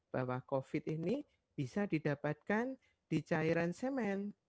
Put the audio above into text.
bahwa covid ini bisa didapatkan di cairan semen